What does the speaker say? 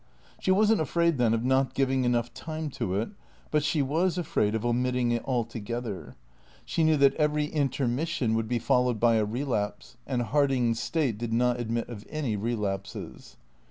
She wasn't afraid, then, of not giving enough time to it, but she was afraid of omitting it altogether. She knew that every intermission would be followed by a relapse, and Harding's state did not admit of any relapses.